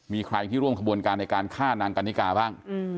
มีใครที่ร่วมขบวนการในการฆ่านางกันนิกาบ้าง